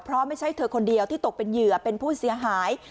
เพราะไม่ใช่เธอคนเดียวที่ตกเป็นเหยื่อเป็นผู้เสียหาย